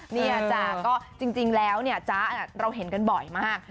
เนี่ยจ๊ะก็จริงแล้วเนี่ยจ๊ะเราเห็นกันบ่อยมาก